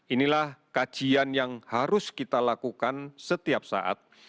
inilah kajian yang harus kita lakukan setiap saat